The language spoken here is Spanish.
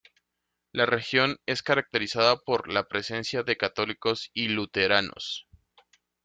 La región es caracterizada por la presencia de católicos y luteranos.